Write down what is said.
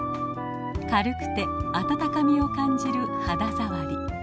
軽くて温かみを感じる肌触り。